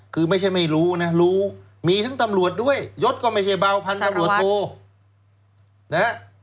คือไม่ใช่ไม่รู้นะรู้มีทั้งตำรวจด้วยยศก็ไม่ใช่เบาพันธุ์ตำรวจโทนะฮะ